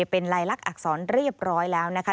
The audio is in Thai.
เป็นลายลักษณอักษรเรียบร้อยแล้วนะคะ